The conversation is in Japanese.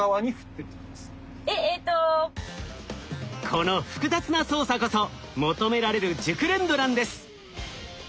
この複雑な操作こそ求められる熟練度なんです。